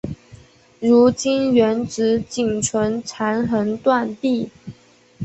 如今原址仅存残垣断壁。